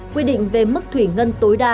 quy định về mức thủy ngân tối đa